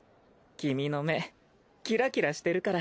君の目キラキラしてるから。